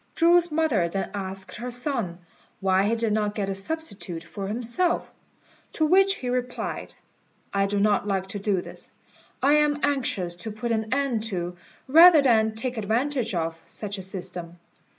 Chu's mother then asked her son why he did not get a substitute for himself; to which he replied, "I do not like to do this. I am anxious to put an end to, rather than take advantage of, such a system.